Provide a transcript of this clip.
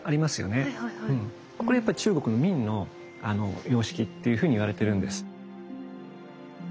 これやっぱり中国の明の様式というふうにいわれてるんです。